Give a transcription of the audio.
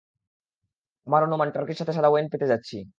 আমার অনুমান, টার্কির সাথে সাদা ওয়ইন পেতে যাচ্ছি।